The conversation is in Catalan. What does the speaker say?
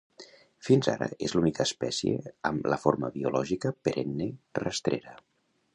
Fins ara és l'única espècie amb la forma biològica perenne rastrera.